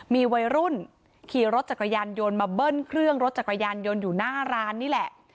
มีวัยรุ่นขี่รถจักรยานยนต์มาเบิ้ลเครื่องรถจักรยานยนต์อยู่หน้าร้านนี่แหละ